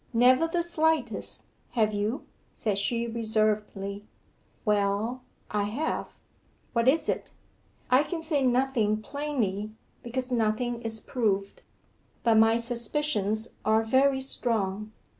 'Never the slightest. Have you?' said she reservedly. 'Well I have.' 'What is it?' 'I can say nothing plainly, because nothing is proved. But my suspicions are very strong.